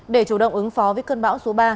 để chủ động ứng phó với cơn bão số ba